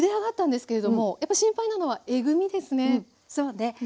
そうね。